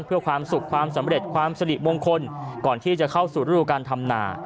เพื่อความสุขความสำเร็จความสริมงคลก่อนที่จะเข้าสู่ฤดูการทำนา